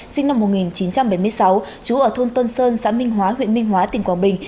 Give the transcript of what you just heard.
sinh năm một nghìn chín trăm bảy mươi sáu trú ở thôn tân sơn xã minh hóa huyện minh hóa tỉnh quảng bình